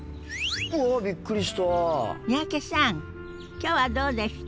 今日はどうでした？